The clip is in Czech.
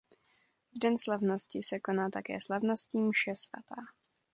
V den slavnosti se koná také slavnostní mše svatá.